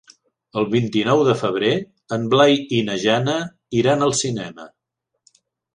El vint-i-nou de febrer en Blai i na Jana iran al cinema.